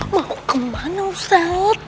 mau kemana ustad